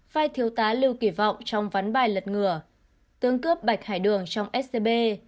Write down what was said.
vai thiếu tá lưu kỷ vọng trong vắn bài lật ngửa tương cướp bạch hải đường trong scb